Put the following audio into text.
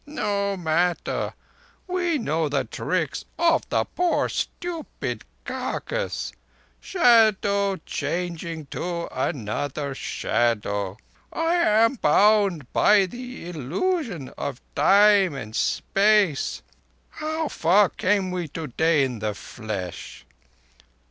No matter—we know the tricks of the poor stupid carcass—shadow changing to another shadow. I am bound by the illusion of Time and Space. How far came we today in the flesh?"